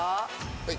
はい。